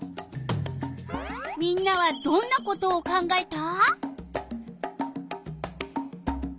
みんなはどんなことを考えた？